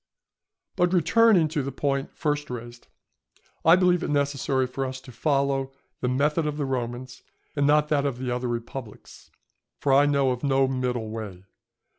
But returning to the point first raised, I believe it necessary for us to follow the method of the Romans and not that of the other republics, for I know of no middle way.